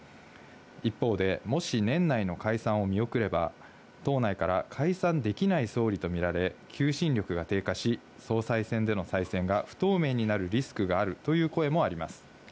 一方で、もし年内の解散を見送れば、党内から解散できない総理と見られ、求心力が低下し、総裁選での再選が不透明になるリスクがあるという声もあります。